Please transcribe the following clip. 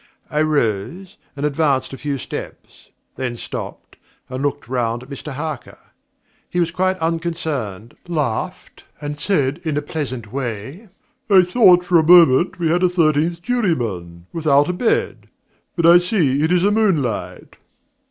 I rose, and advanced a few steps; then stopped, and looked round at Mr Harker. He was quite unconcerned, laughed, and said in a pleasant way, 'I thought for a moment we had a thirteenth juryman, without a bed. But I see it is the moonlight.'